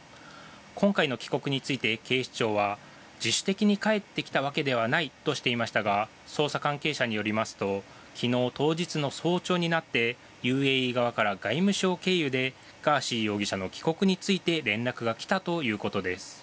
今回の帰国について警視庁は自主的に帰ってきたわけではないとしていましたが捜査関係者によりますと昨日当日の早朝になってＵＡＥ側から外務省経由でガーシー容疑者の帰国について連絡が来たということです。